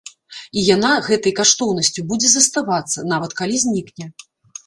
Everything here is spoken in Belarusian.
І яна гэтай каштоўнасцю будзе заставацца, нават калі знікне.